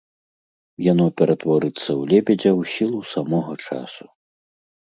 Яно ператворыцца ў лебедзя ў сілу самога часу.